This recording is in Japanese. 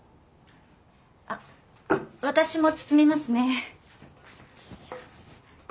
あっ私も包みますね。